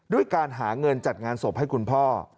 ด้วยการหาเงินจัดงานศพให้คุณพ่อ